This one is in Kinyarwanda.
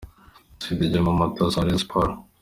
Massoudi Djuma umutoza wa Rayon Sports .